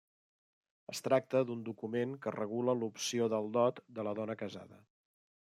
Es tracta d'un document que regula l'opció del dot de la dona casada.